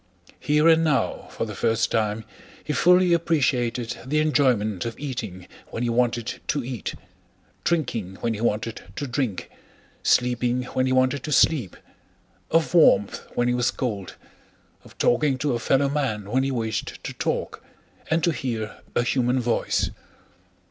Here and now for the first time he fully appreciated the enjoyment of eating when he wanted to eat, drinking when he wanted to drink, sleeping when he wanted to sleep, of warmth when he was cold, of talking to a fellow man when he wished to talk and to hear a human voice.